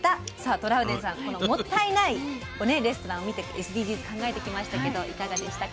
トラウデンさん、もったいないレストランを見てＳＤＧｓを考えてきましたけどいかがでしたか？